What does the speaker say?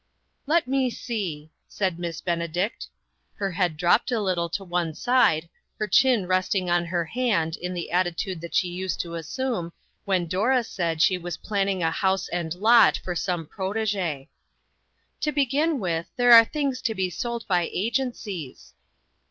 " Let me see," said Miss Benedict ; her head dropped a little to one side, her chin resting on her hand in the attitude that she used to assume, when Dora said she was planning a house and lot for some prote'ge'. " To begin with, there are things to be sold by agencies."